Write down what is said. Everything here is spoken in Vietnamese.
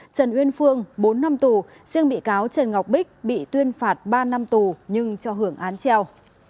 trần uyên phương bốn năm tù riêng bị cáo trần ngọc bích bị tuyên phạt ba năm tù nhưng cho hưởng án treo